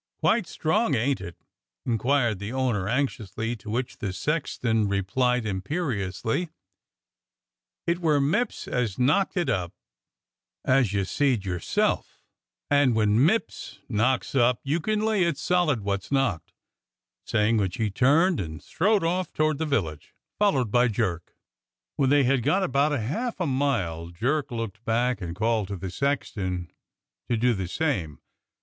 "Quite strong, ain't it.^" inquired the owner anx iously, to which the sexton replied imperiously: "It were Mipps as knocked it up, as you seed your self; and when Mipps knocks up, you can lay it's solid wot's knocked," saying which he turned and strode off toward the village, followed by Jerk. SETS UP A GALLOWS TREE 109 When they had gone about half a mile Jerk looked back and called to the sexton to do the same.